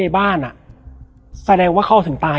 แล้วสักครั้งหนึ่งเขารู้สึกอึดอัดที่หน้าอก